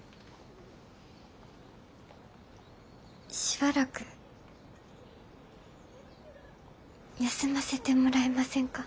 しばらく休ませてもらえませんか？